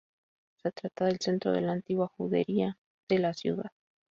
Se trata del centro de la antigua judería de la ciudad.